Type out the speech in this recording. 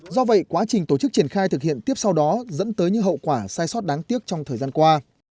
do vậy quá trình tổ chức triển khai thực hiện tiếp sau đó dẫn tới những hậu quả sai sót đáng tiếc trong thời gian qua